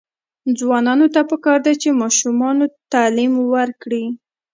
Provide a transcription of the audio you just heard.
ځوانانو ته پکار ده چې، ماشومانو تعلیم ورکړي.